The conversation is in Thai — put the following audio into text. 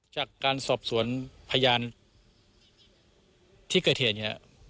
จากการสอบสวนพยานที่เกิดเหตุเนี่ย